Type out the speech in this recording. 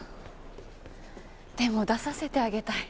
でも出させてあげたい。